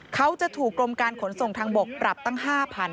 เขาจะถูกกรมการขนส่งทางบกปรับตั้ง๕๐๐๐